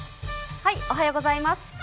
おはようございます。